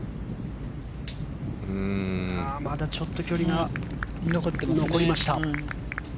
まだちょっと距離が残りました。